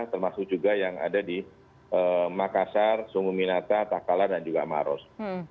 termasuk juga yang ada di makassar sungu minata takala dan juga maros